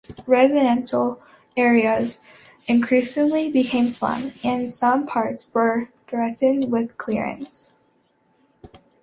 The residential areas increasingly became slums, and some parts were threatened with clearance.